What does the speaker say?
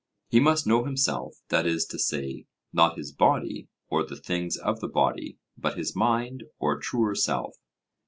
He must know himself; that is to say, not his body, or the things of the body, but his mind, or truer self.